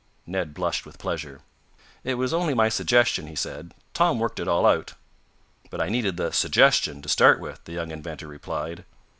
Ned blushed with pleasure. "It was only my suggestion," he said. "Tom worked it all out." "But I needed the suggestion to start with," the young inventor replied.